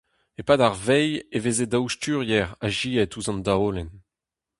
E-pad ar veilh e veze daou sturier azezet ouzh an daolenn.